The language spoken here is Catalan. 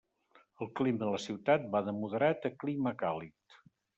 El clima de la ciutat va de moderat a clima càlid.